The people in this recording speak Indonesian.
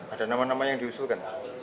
ada nama nama yang diusulkan